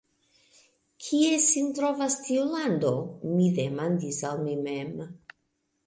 Kie sin trovas tiu lando? mi demandis al mi mem.